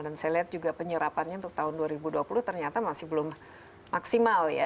dan saya lihat juga penyerapannya untuk tahun dua ribu dua puluh ternyata masih belum maksimal